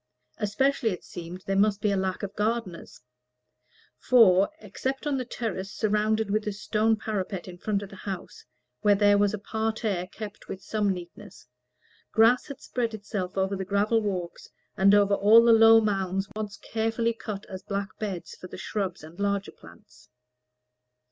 Especially, it seemed, there must be a lack of gardeners; for, except on the terrace surrounded with a stone parapet in front of the house, where there was a parterre, kept with some neatness, grass had spread itself over the gravel walks, and over all the low mounds once carefully cut as black beds for the shrubs and larger plants.